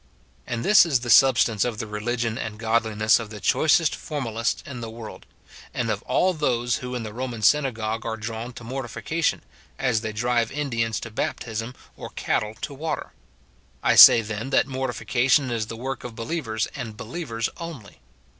And this is the substance of the religion and godliness of the choicest formalists in the world, and of all those who in the Roman synagogue are drawn to mortification, as they drive Indians to baptism or cattle SIN IN BELIEVERS. 209 to water. I saj, then, that mortification is the work of believers, and believers only.